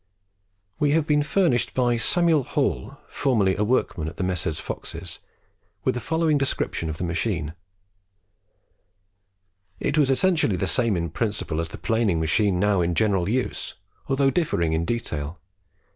We have been furnished by Samuel Hall, formerly a workman at the Messrs. Fox's, with the following description of the machine: "It was essentially the same in principle as the planing machine now in general use, although differing in detail.